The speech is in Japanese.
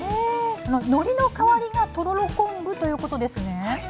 のりの代わりがとろろ昆布なんですね。